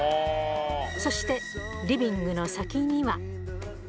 そしてリビングの先には。